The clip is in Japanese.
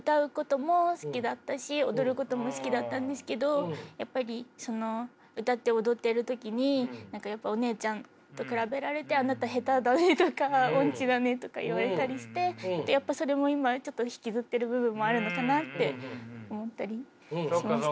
昔はやっぱりその歌って踊ってる時に何かやっぱお姉ちゃんと比べられてあなた下手だねとか音痴だねとか言われたりしてやっぱそれも今ちょっと引きずってる部分もあるのかなって思ったりしました。